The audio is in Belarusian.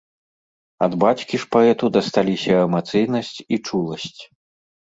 Ад бацькі ж паэту дасталіся эмацыйнасць і чуласць.